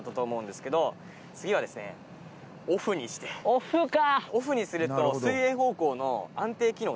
オフか！